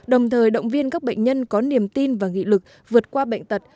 đồng thời động viên các bệnh nhân có niềm tin và nghị lực vượt qua bệnh tật